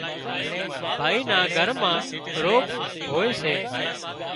ڀائي نو گھر ما روڀ هوئي سي